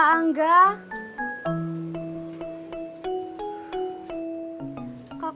kaka mau dateng jam berapa